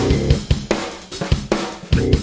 ดีดี